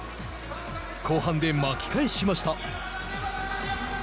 後半で巻き返しました。